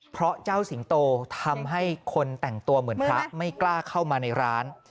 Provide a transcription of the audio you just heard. เพราะเจ้าสิงโตทำให้คนแต่งตัวเหมือนพระไม่กล้าเข้ามาในร้าน